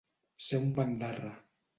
Ser un bandarra.